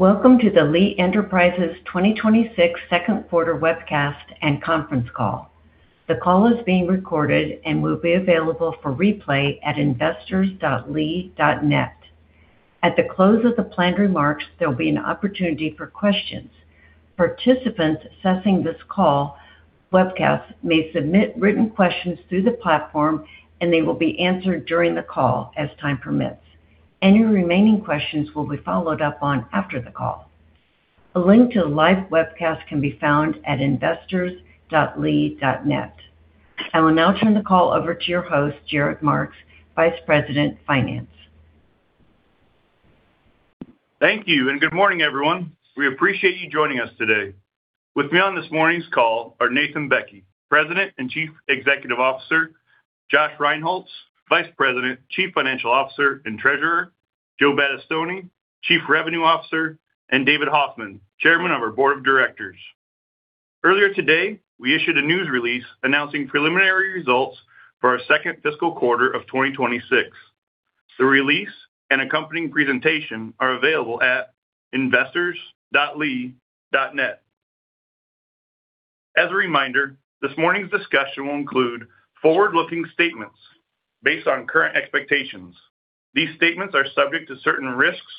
Welcome to the Lee Enterprises 2026 second quarter webcast and conference call. The call is being recorded and will be available for replay at investors.lee.net. At the close of the planned remarks, there'll be an opportunity for questions. Participants accessing this webcast may submit written questions through the platform, and they will be answered during the call as time permits. Any remaining questions will be followed up on after the call. A link to the live webcast can be found at investors.lee.net. I will now turn the call over to your host, Jared Marks, Vice President, Finance. Thank you, and good morning, everyone. We appreciate you joining us today. With me on this morning's call are Nathan Bekke, President and Chief Executive Officer, Josh Rinehults, Vice President, Chief Financial Officer, and Treasurer, Joe Battistoni, Chief Revenue Officer, and David Hoffmann, Chairman of our Board of Directors. Earlier today, we issued a news release announcing preliminary results for our second fiscal quarter of 2026. The release and accompanying presentation are available at investors.lee.net. As a reminder, this morning's discussion will include forward-looking statements based on current expectations. These statements are subject to certain risks,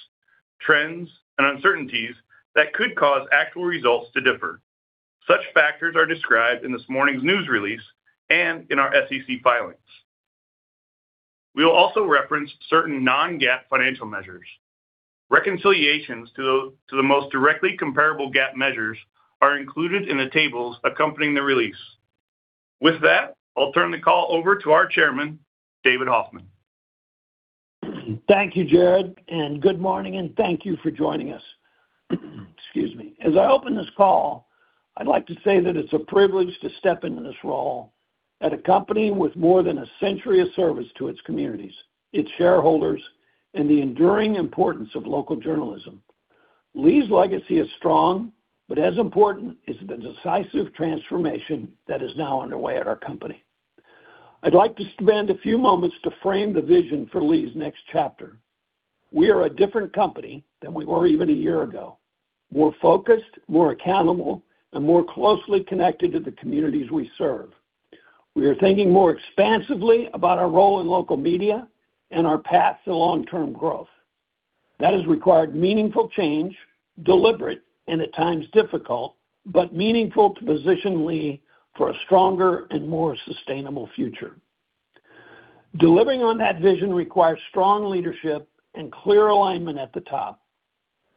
trends, and uncertainties that could cause actual results to differ. Such factors are described in this morning's news release and in our SEC filings. We will also reference certain non-GAAP financial measures. Reconciliations to the most directly comparable GAAP measures are included in the tables accompanying the release. With that, I'll turn the call over to our Chairman, David Hoffmann. Thank you, Jared, good morning, and thank you for joining us. Excuse me. As I open this call, I'd like to say that it's a privilege to step into this role at a company with more than a century of service to its communities, its shareholders, and the enduring importance of local journalism. Lee's legacy is strong, as important is the decisive transformation that is now underway at our company. I'd like to spend a few moments to frame the vision for Lee's next chapter. We are a different company than we were even a year ago. More focused, more accountable, more closely connected to the communities we serve. We are thinking more expansively about our role in local media and our path to long-term growth. That has required meaningful change, deliberate and at times difficult, but meaningful to position Lee for a stronger and more sustainable future. Delivering on that vision requires strong leadership and clear alignment at the top.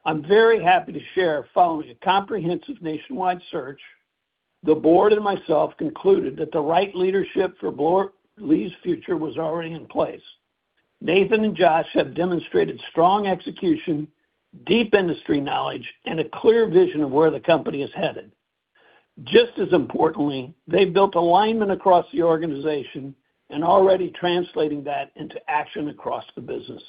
I'm very happy to share following a comprehensive nationwide search, the board and myself concluded that the right leadership for Lee's future was already in place. Nathan and Josh have demonstrated strong execution, deep industry knowledge, and a clear vision of where the company is headed. Just as importantly, they built alignment across the organization and already translating that into action across the business.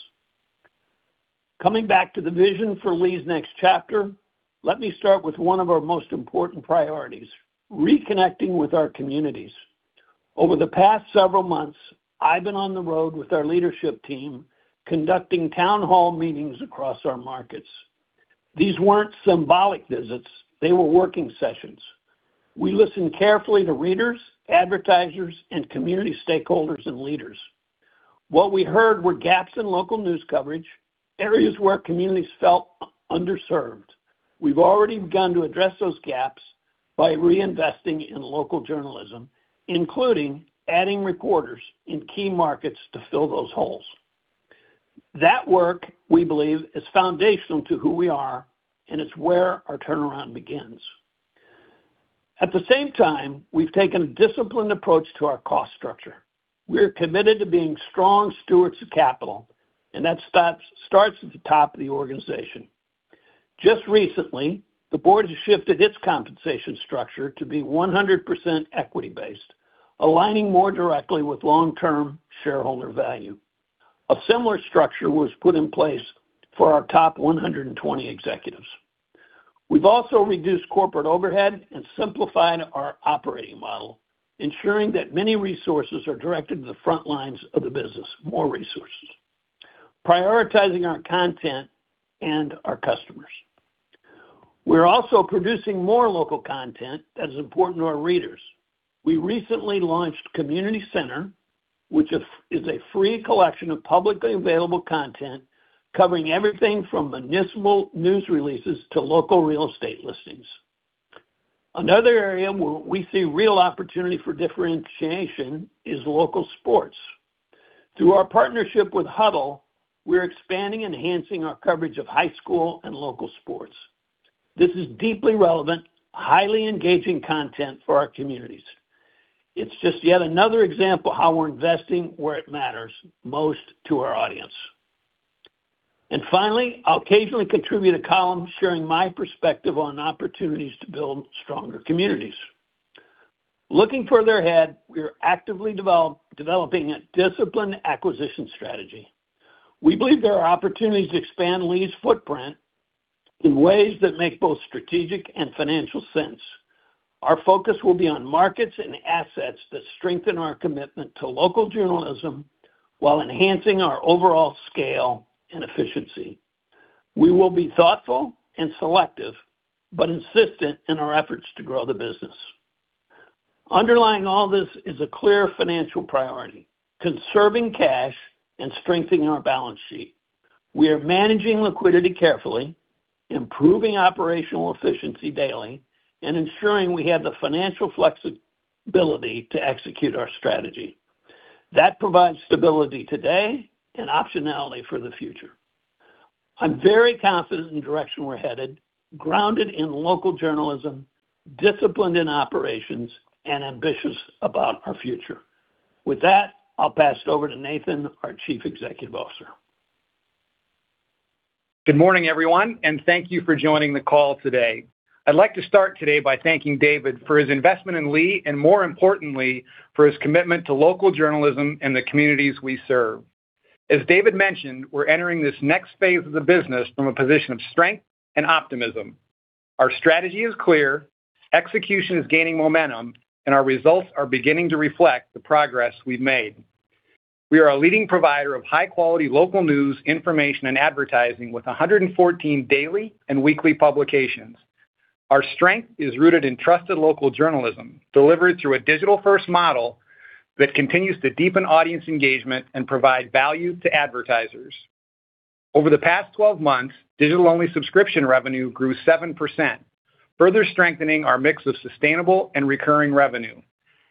Coming back to the vision for Lee's next chapter, let me start with one of our most important priorities, reconnecting with our communities. Over the past several months, I've been on the road with our leadership team conducting town hall meetings across our markets. These weren't symbolic visits. They were working sessions. We listened carefully to readers, advertisers, and community stakeholders and leaders. What we heard were gaps in local news coverage, areas where communities felt underserved. We've already begun to address those gaps by reinvesting in local journalism, including adding reporters in key markets to fill those holes. That work, we believe, is foundational to who we are, and it's where our turnaround begins. At the same time, we've taken a disciplined approach to our cost structure. We're committed to being strong stewards of capital, and that starts at the top of the organization. Just recently, the board has shifted its compensation structure to be 100% equity-based, aligning more directly with long-term shareholder value. A similar structure was put in place for our top 120 executives. We've also reduced corporate overhead and simplified our operating model, ensuring that many resources are directed to the front lines of the business, more resources, prioritizing our content and our customers. We're also producing more local content that is important to our readers. We recently launched Community Center, which is a free collection of publicly available content covering everything from municipal news releases to local real estate listings. Another area where we see real opportunity for differentiation is local sports. Through our partnership with Hudl, we're expanding and enhancing our coverage of high school and local sports. This is deeply relevant, highly engaging content for our communities. It's just yet another example how we're investing where it matters most to our audience. Finally, I'll occasionally contribute a column sharing my perspective on opportunities to build stronger communities. Looking further ahead, we are actively developing a disciplined acquisition strategy. We believe there are opportunities to expand Lee's footprint in ways that make both strategic and financial sense. Our focus will be on markets and assets that strengthen our commitment to local journalism while enhancing our overall scale and efficiency. We will be thoughtful and selective, but insistent in our efforts to grow the business. Underlying all this is a clear financial priority: conserving cash and strengthening our balance sheet. We are managing liquidity carefully, improving operational efficiency daily, and ensuring we have the financial flexibility to execute our strategy. That provides stability today and optionality for the future. I'm very confident in the direction we're headed, grounded in local journalism, disciplined in operations, and ambitious about our future. With that, I'll pass it over to Nathan, our Chief Executive Officer. Good morning, everyone. Thank you for joining the call today. I'd like to start today by thanking David Hoffmann for his investment in Lee and more importantly, for his commitment to local journalism and the communities we serve. As David Hoffmann mentioned, we're entering this next phase of the business from a position of strength and optimism. Our strategy is clear, execution is gaining momentum, and our results are beginning to reflect the progress we've made. We are a leading provider of high-quality local news, information, and advertising with 114 daily and weekly publications. Our strength is rooted in trusted local journalism, delivered through a digital-first model that continues to deepen audience engagement and provide value to advertisers. Over the past 12 months, digital-only subscription revenue grew 7%, further strengthening our mix of sustainable and recurring revenue.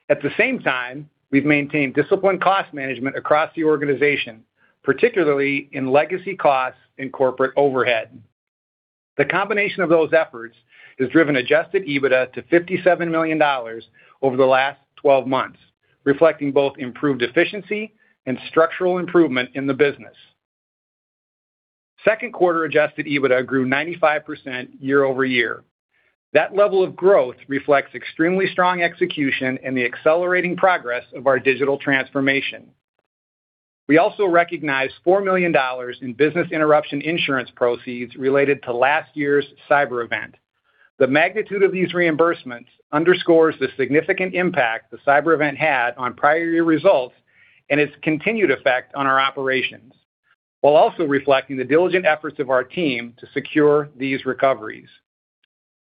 At the same time, we've maintained disciplined cost management across the organization, particularly in legacy costs and corporate overhead. The combination of those efforts has driven adjusted EBITDA to $57 million over the last 12 months, reflecting both improved efficiency and structural improvement in the business. Second quarter adjusted EBITDA grew 95% year-over-year. That level of growth reflects extremely strong execution and the accelerating progress of our digital transformation. We also recognized $4 million in business interruption insurance proceeds related to last year's cyber event. The magnitude of these reimbursements underscores the significant impact the cyber event had on prior year results and its continued effect on our operations, while also reflecting the diligent efforts of our team to secure these recoveries.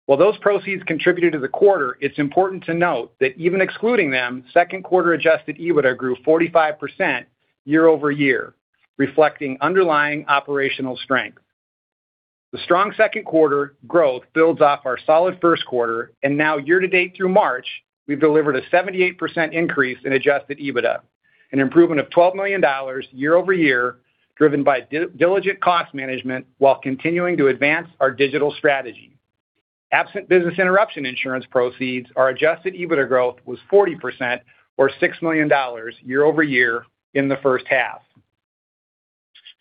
While those proceeds contributed to the quarter, it's important to note that even excluding them, second quarter adjusted EBITDA grew 45% year-over-year, reflecting underlying operational strength. The strong second quarter growth builds off our solid first quarter, and now year-to-date through March, we've delivered a 78% increase in adjusted EBITDA, an improvement of $12 million year-over-year, driven by diligent cost management while continuing to advance our digital strategy. Absent business interruption insurance proceeds, our adjusted EBITDA growth was 40% or $6 million year-over-year in the first half.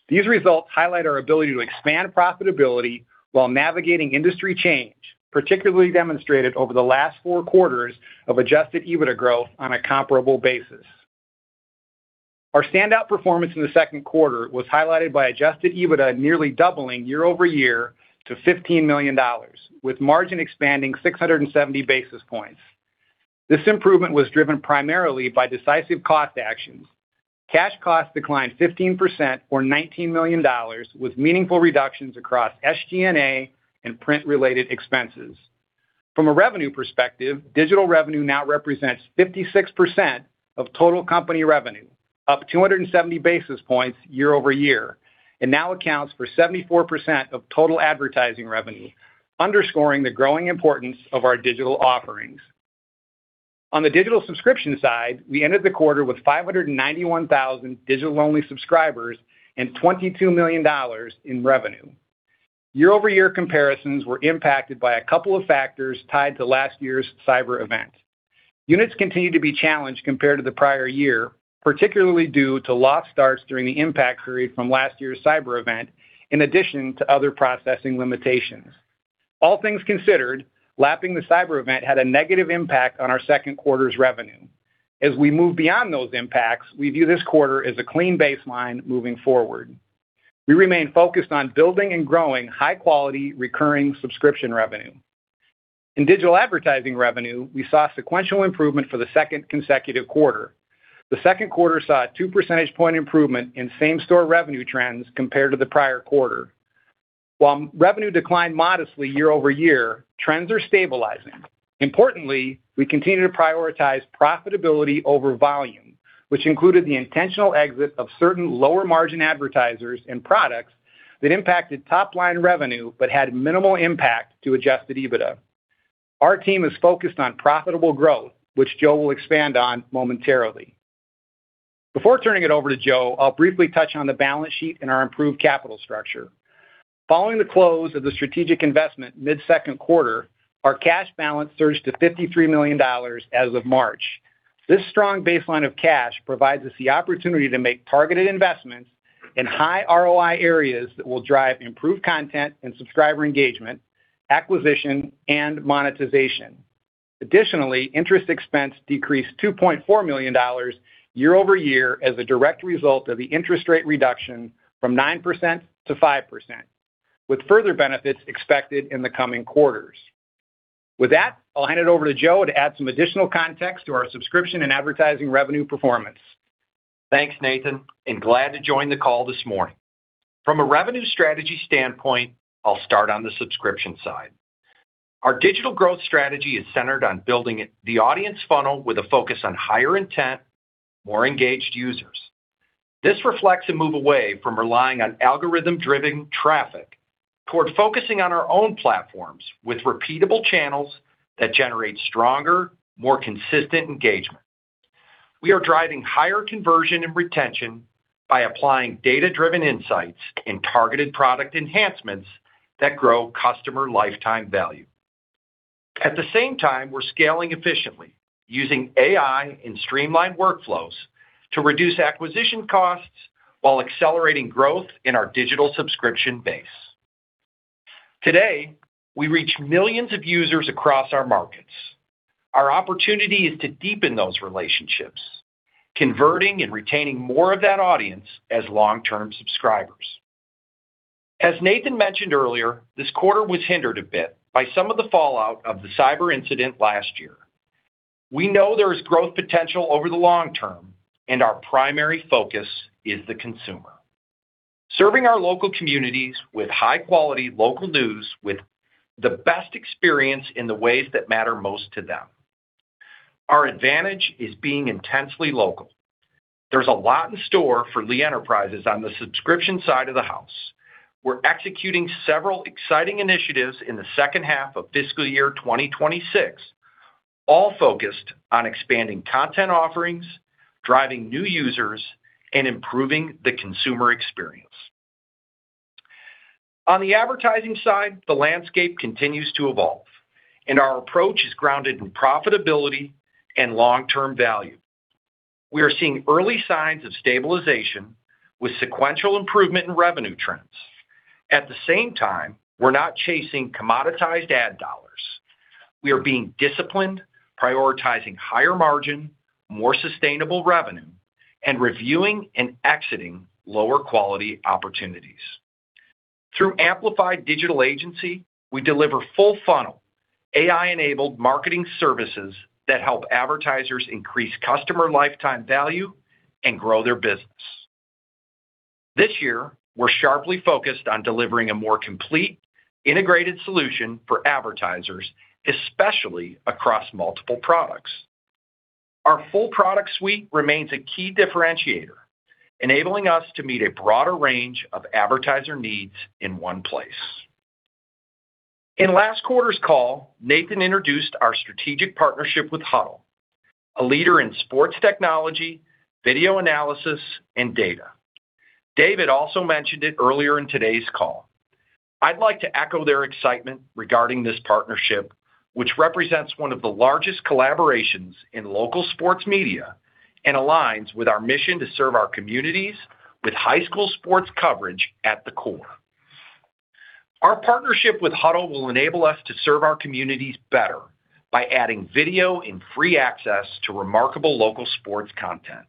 These results highlight our ability to expand profitability while navigating industry change, particularly demonstrated over the last four quarters of adjusted EBITDA growth on a comparable basis. Our standout performance in the second quarter was highlighted by adjusted EBITDA nearly doubling year-over-year to $15 million, with margin expanding 670 basis points. This improvement was driven primarily by decisive cost actions. Cash costs declined 15% or $19 million, with meaningful reductions across SG&A and print-related expenses. From a revenue perspective, digital revenue now represents 56% of total company revenue, up 270 basis points year-over-year, and now accounts for 74% of total advertising revenue, underscoring the growing importance of our digital offerings. On the digital subscription side, we ended the quarter with 591,000 digital-only subscribers and $22 million in revenue. Year-over-year comparisons were impacted by a couple of factors tied to last year's cyber event. Units continued to be challenged compared to the prior year, particularly due to lost starts during the impact period from last year's cyber event, in addition to other processing limitations. All things considered, lapping the cyber event had a negative impact on our second quarter's revenue. As we move beyond those impacts, we view this quarter as a clean baseline moving forward. We remain focused on building and growing high-quality, recurring subscription revenue. In digital advertising revenue, we saw sequential improvement for the second consecutive quarter. The second quarter saw a 2 percentage point improvement in same-store revenue trends compared to the prior quarter. While revenue declined modestly year-over-year, trends are stabilizing. Importantly, we continue to prioritize profitability over volume, which included the intentional exit of certain lower margin advertisers and products that impacted top-line revenue but had minimal impact to adjusted EBITDA. Our team is focused on profitable growth, which Joe will expand on momentarily. Before turning it over to Joe, I'll briefly touch on the balance sheet and our improved capital structure. Following the close of the strategic investment mid-second quarter, our cash balance surged to $53 million as of March. This strong baseline of cash provides us the opportunity to make targeted investments in high ROI areas that will drive improved content and subscriber engagement, acquisition, and monetization. Additionally, interest expense decreased $2.4 million year-over-year as a direct result of the interest rate reduction from 9%-5%. With further benefits expected in the coming quarters. With that, I'll hand it over to Joe to add some additional context to our subscription and advertising revenue performance. Thanks, Nathan, and glad to join the call this morning. From a revenue strategy standpoint, I'll start on the subscription side. Our digital growth strategy is centered on building the audience funnel with a focus on higher intent, more engaged users. This reflects a move away from relying on algorithm-driven traffic toward focusing on our own platforms with repeatable channels that generate stronger, more consistent engagement. We are driving higher conversion and retention by applying data-driven insights and targeted product enhancements that grow customer lifetime value. At the same time, we're scaling efficiently using AI and streamlined workflows to reduce acquisition costs while accelerating growth in our digital subscription base. Today, we reach millions of users across our markets. Our opportunity is to deepen those relationships, converting and retaining more of that audience as long-term subscribers. As Nathan mentioned earlier, this quarter was hindered a bit by some of the fallout of the cyber incident last year. We know there is growth potential over the long term. Our primary focus is the consumer, serving our local communities with high-quality local news with the best experience in the ways that matter most to them. Our advantage is being intensely local. There's a lot in store for Lee Enterprises on the subscription side of the house. We're executing several exciting initiatives in the second half of FY 2026, all focused on expanding content offerings, driving new users, and improving the consumer experience. On the advertising side, the landscape continues to evolve. Our approach is grounded in profitability and long-term value. We are seeing early signs of stabilization with sequential improvement in revenue trends. At the same time, we're not chasing commoditized ad dollars. We are being disciplined, prioritizing higher margin, more sustainable revenue, and reviewing and exiting lower quality opportunities. Through Amplified Digital, we deliver full funnel, AI-enabled marketing services that help advertisers increase customer lifetime value and grow their business. This year, we're sharply focused on delivering a more complete integrated solution for advertisers, especially across multiple products. Our full product suite remains a key differentiator, enabling us to meet a broader range of advertiser needs in one place. In last quarter's call, Nathan introduced our strategic partnership with Hudl, a leader in sports technology, video analysis, and data. David also mentioned it earlier in today's call. I'd like to echo their excitement regarding this partnership, which represents one of the largest collaborations in local sports media and aligns with our mission to serve our communities with high school sports coverage at the core. Our partnership with Hudl will enable us to serve our communities better by adding video and free access to remarkable local sports content.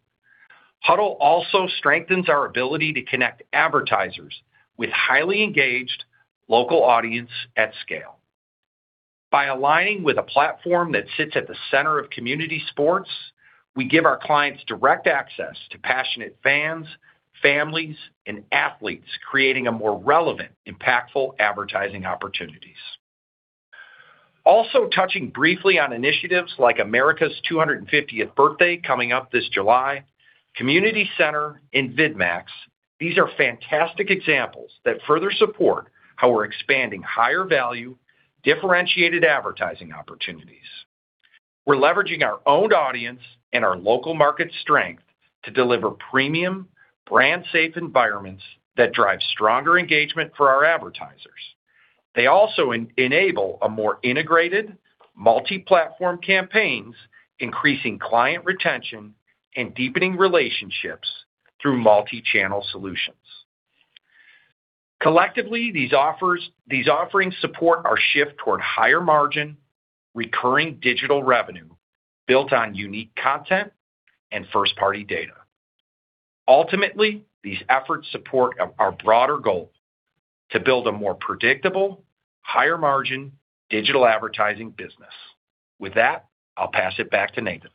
Hudl also strengthens our ability to connect advertisers with highly engaged local audience at scale. By aligning with a platform that sits at the center of community sports, we give our clients direct access to passionate fans, families, and athletes, creating a more relevant, impactful advertising opportunities. Also touching briefly on initiatives like America's 250th birthday coming up this July, Community Center and VidMax. These are fantastic examples that further support how we're expanding higher value, differentiated advertising opportunities. We're leveraging our owned audience and our local market strength to deliver premium, brand safe environments that drive stronger engagement for our advertisers. They also enable a more integrated multi-platform campaigns, increasing client retention and deepening relationships through multi-channel solutions. Collectively, these offerings support our shift toward higher margin, recurring digital revenue built on unique content and first-party data. Ultimately, these efforts support our broader goal to build a more predictable, higher margin digital advertising business. With that, I'll pass it back to Nathan.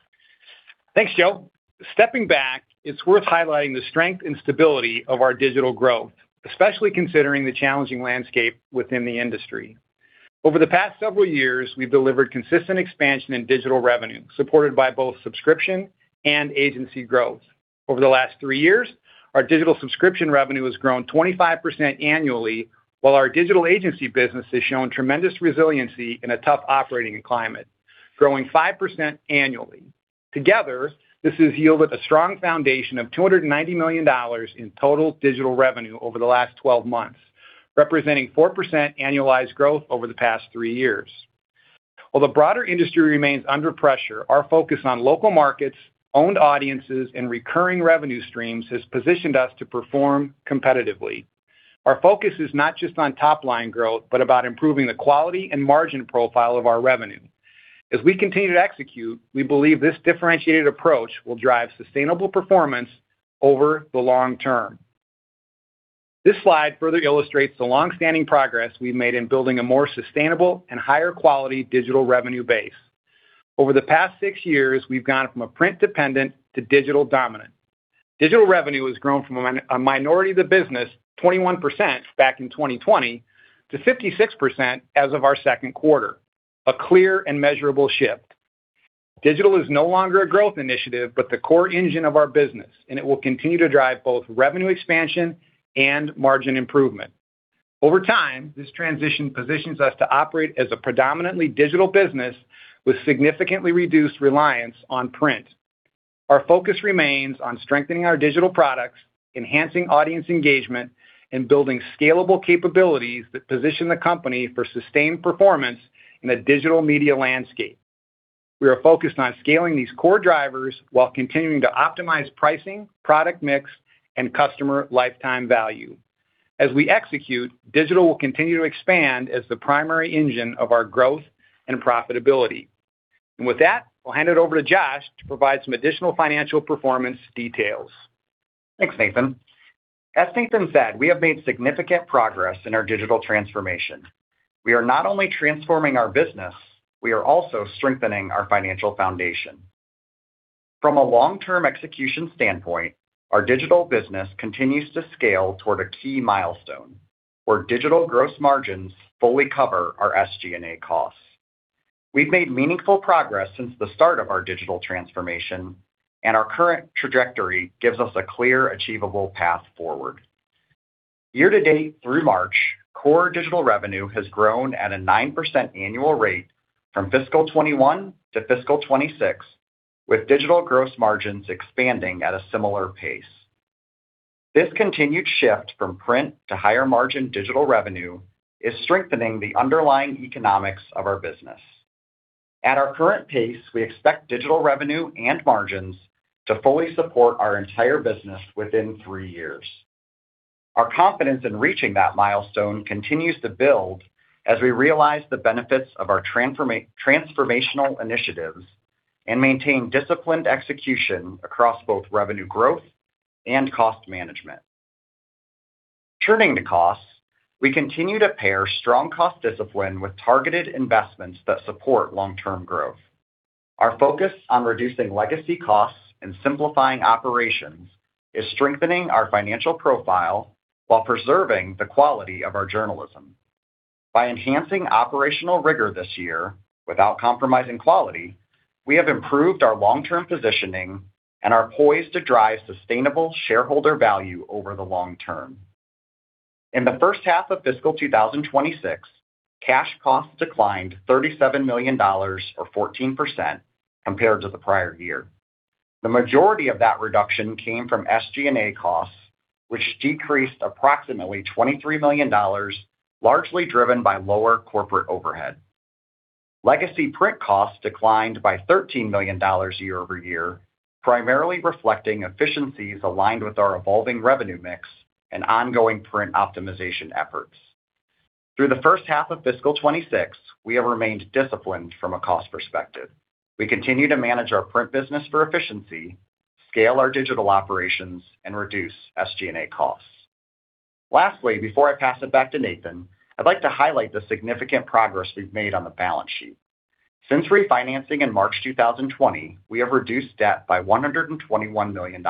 Thanks, Joe. Stepping back, it's worth highlighting the strength and stability of our digital growth, especially considering the challenging landscape within the industry. Over the past several years, we've delivered consistent expansion in digital revenue, supported by both subscription and agency growth. Over the last three years, our digital subscription revenue has grown 25% annually, while our digital agency business has shown tremendous resiliency in a tough operating climate, growing 5% annually. Together, this has yielded a strong foundation of $290 million in total digital revenue over the last 12 months, representing 4% annualized growth over the past three years. While the broader industry remains under pressure, our focus on local markets, owned audiences, and recurring revenue streams has positioned us to perform competitively. Our focus is not just on top-line growth, but about improving the quality and margin profile of our revenue. As we continue to execute, we believe this differentiated approach will drive sustainable performance over the long term. This slide further illustrates the long-standing progress we've made in building a more sustainable and higher quality digital revenue base. Over the past six years, we've gone from a print dependent to digital dominant. Digital revenue has grown from a minority of the business, 21% back in 2020, to 56% as of our second quarter. A clear and measurable shift. Digital is no longer a growth initiative, but the core engine of our business. It will continue to drive both revenue expansion and margin improvement. Over time, this transition positions us to operate as a predominantly digital business with significantly reduced reliance on print. Our focus remains on strengthening our digital products, enhancing audience engagement, and building scalable capabilities that position the company for sustained performance in a digital media landscape. We are focused on scaling these core drivers while continuing to optimize pricing, product mix, and customer lifetime value. As we execute, digital will continue to expand as the primary engine of our growth and profitability. With that, I'll hand it over to Josh to provide some additional financial performance details. Thanks, Nathan. As Nathan said, we have made significant progress in our digital transformation. We are not only transforming our business, we are also strengthening our financial foundation. From a long-term execution standpoint, our digital business continues to scale toward a key milestone, where digital gross margins fully cover our SG&A costs. We've made meaningful progress since the start of our digital transformation, and our current trajectory gives us a clear, achievable path forward. Year-to-date through March, core digital revenue has grown at a 9% annual rate from fiscal 2021 to fiscal 2026, with digital gross margins expanding at a similar pace. This continued shift from print to higher margin digital revenue is strengthening the underlying economics of our business. At our current pace, we expect digital revenue and margins to fully support our entire business within three years. Our confidence in reaching that milestone continues to build as we realize the benefits of our transformational initiatives and maintain disciplined execution across both revenue growth and cost management. Turning to costs, we continue to pair strong cost discipline with targeted investments that support long-term growth. Our focus on reducing legacy costs and simplifying operations is strengthening our financial profile while preserving the quality of our journalism. By enhancing operational rigor this year without compromising quality, we have improved our long-term positioning and are poised to drive sustainable shareholder value over the long term. In the first half of fiscal 2026, cash costs declined $37 million, or 14%, compared to the prior year. The majority of that reduction came from SG&A costs, which decreased approximately $23 million, largely driven by lower corporate overhead. Legacy print costs declined by $13 million year-over-year, primarily reflecting efficiencies aligned with our evolving revenue mix and ongoing print optimization efforts. Through the first half of fiscal 2026, we have remained disciplined from a cost perspective. We continue to manage our print business for efficiency, scale our digital operations, and reduce SG&A costs. Lastly, before I pass it back to Nathan, I'd like to highlight the significant progress we've made on the balance sheet. Since refinancing in March 2020, we have reduced debt by $121 million.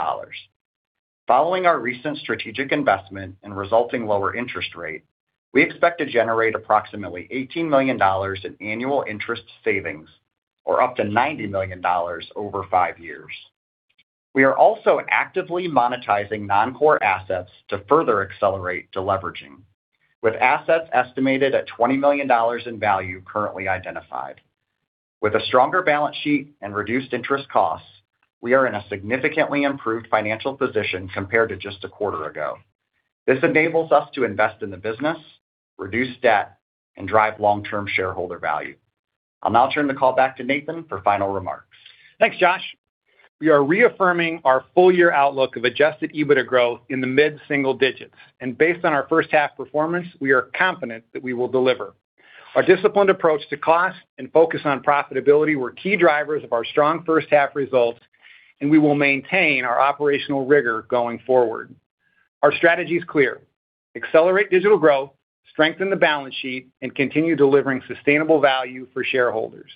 Following our recent strategic investment and resulting lower interest rate, we expect to generate approximately $18 million in annual interest savings or up to $90 million over five years. We are also actively monetizing non-core assets to further accelerate deleveraging, with assets estimated at $20 million in value currently identified. With a stronger balance sheet and reduced interest costs, we are in a significantly improved financial position compared to just a quarter ago. This enables us to invest in the business, reduce debt, and drive long-term shareholder value. I'll now turn the call back to Nathan for final remarks. Thanks, Josh. We are reaffirming our full-year outlook of adjusted EBITDA growth in the mid-single digits. Based on our first half performance, we are confident that we will deliver. Our disciplined approach to cost and focus on profitability were key drivers of our strong first half results, and we will maintain our operational rigor going forward. Our strategy is clear: accelerate digital growth, strengthen the balance sheet, and continue delivering sustainable value for shareholders.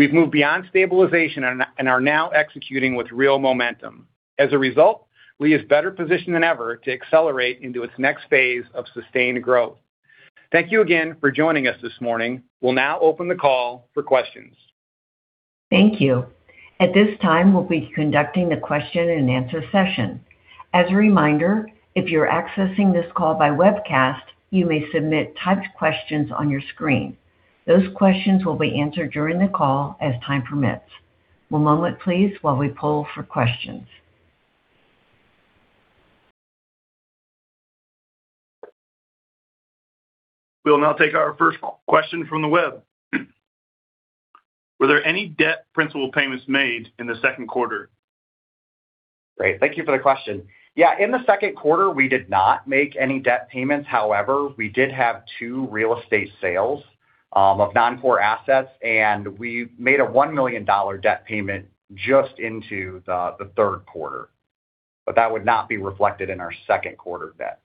We've moved beyond stabilization and are now executing with real momentum. As a result, Lee is better positioned than ever to accelerate into its next phase of sustained growth. Thank you again for joining us this morning. We'll now open the call for questions. Thank you. At this time, we'll be conducting a question-and-answer session. As a reminder, if you're accessing this call by webcast, you may submit typed questions on your screen. Those questions will be answered during the call as time permits. One moment please while we poll for questions. We will now take our first question from the web. Were there any debt principal payments made in the second quarter? Great. Thank you for the question. Yeah, in the second quarter, we did not make any debt payments. However, we did have two real estate sales of non-core assets, and we made a $1 million debt payment just into the third quarter. That would not be reflected in our second quarter debt.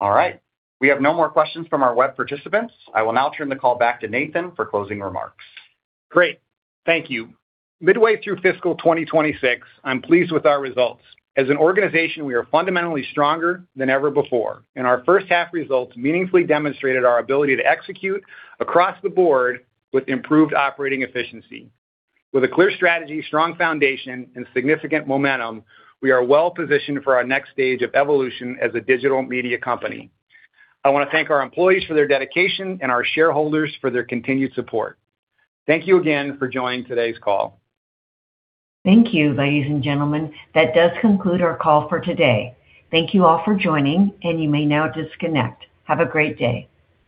All right. We have no more questions from our web participants. I will now turn the call back to Nathan for closing remarks. Great. Thank you. Midway through fiscal 2026, I'm pleased with our results. As an organization, we are fundamentally stronger than ever before, and our first half results meaningfully demonstrated our ability to execute across the board with improved operating efficiency. With a clear strategy, strong foundation, and significant momentum, we are well-positioned for our next stage of evolution as a digital media company. I wanna thank our employees for their dedication and our shareholders for their continued support. Thank you again for joining today's call. Thank you, ladies and gentlemen. That does conclude our call for today. Thank you all for joining, and you may now disconnect. Have a great day.